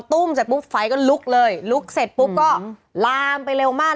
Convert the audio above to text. ตุ้มเสร็จปุ๊บไฟก็ลุกเลยลุกเสร็จปุ๊บก็ลามไปเร็วมาก